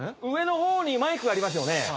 上の方にマイクがありますよね。